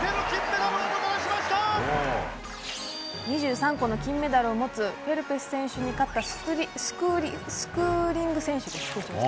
２３個の金メダルを持つフェルプス選手に勝ったスクーリング選手です。